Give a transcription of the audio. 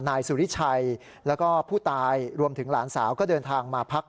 นายสุริชัยแล้วก็ผู้ตายรวมถึงหลานสาวก็เดินทางมาพัก